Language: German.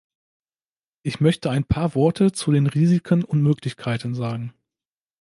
Ich möchte ein paar Worte zu den Risiken und Möglichkeiten sagen.